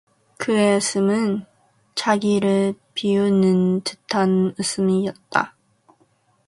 그의 웃음은 자기를 비웃는 듯한 웃음이었다.